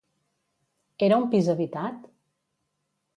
Era un pis habitat?